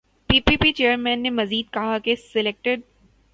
پی P chairman نے مزید کہا کہ سلیکٹڈ